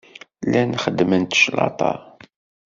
Llan xeddment claṭa.